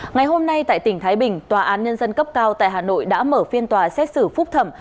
ngày hôm nay tại tỉnh thái bình tòa án nhân dân cấp cao tại hà nội đã mở phiên tòa xét xử phúc thẩm